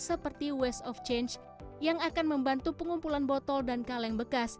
seperti waste of change yang akan membantu pengumpulan botol dan kaleng bekas